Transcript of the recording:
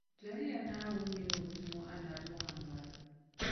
Doli ya Naawuni mini O tumo Annabi Muhammadu